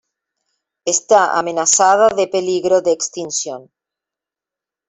Está amenazada de peligro de extinción.